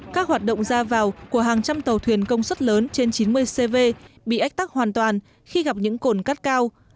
các hoạt động ra vào của hàng trăm tàu thuyền công suất lớn trên chín mươi cv bị ách tắc hoàn toàn khi gặp những cồn cát cao